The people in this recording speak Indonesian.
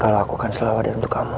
kalau aku kan selawadat untuk kamu